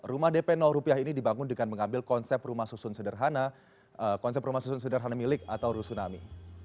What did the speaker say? rumah dp rupiah ini dibangun dengan mengambil konsep rumah susun sederhana milik atau rusunami